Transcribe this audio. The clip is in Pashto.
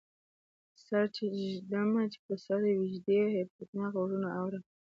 سر چی ږدمه په سر ویږدی، هیبتناک غږونه اورم